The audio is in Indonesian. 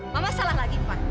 mama salah lagi ma